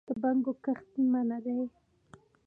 د بنګو کښت منع دی؟